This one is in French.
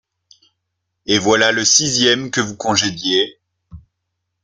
Et voilà le sixième que vous congédiez…